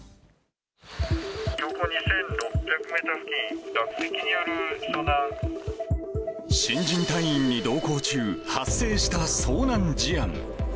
標高２６００メートル付近、新人隊員に同行中、発生した遭難事案。